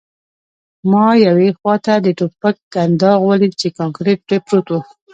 ما یوې خواته د ټوپک کنداغ ولید چې کانکریټ پرې پروت و